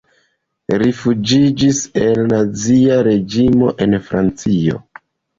Rifuĝiĝis el nazia reĝimo en Francio.